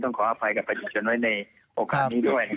ต้องขออภัยกับปฏิชนไว้ในโอกาสนี้ด้วยนะครับ